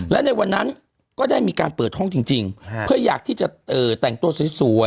และในวันนั้นก็ได้มีการเปิดห้องจริงเพื่ออยากที่จะแต่งตัวสวย